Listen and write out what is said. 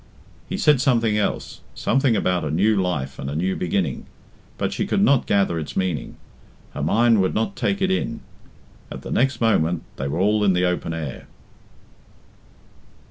He said something else something about a new life and a new beginning but she could not gather its meaning, her mind would not take it in. At the next moment they were all in the open air.